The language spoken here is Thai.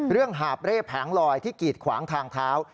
หาบเร่แผงลอยที่กีดขวางทางเท้า